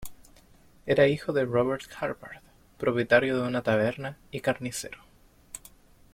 Era hijo de Robert Harvard, propietario de una taberna y carnicero.